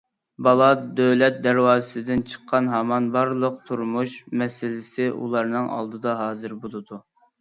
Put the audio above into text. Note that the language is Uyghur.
بالا دۆلەت دەرۋازىسىدىن چىققان ھامان بارلىق تۇرمۇش مەسىلىسى ئۇلارنىڭ ئالدىدا ھازىر بولىدۇ.